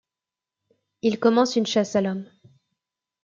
Ils commencent une chasse à l'homme.